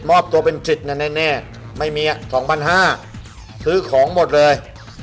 มอบตัวเป็นจิตน่ะแน่แน่ไม่มีอ่ะสองพันห้าซื้อของหมดเลย